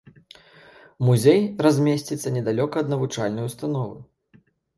Музей размесціцца недалёка ад навучальнай установы.